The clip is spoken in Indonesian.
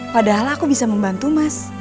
padahal aku bisa membantu mas